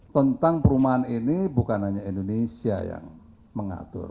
tentang perumahan ini bukan hanya indonesia yang mengatur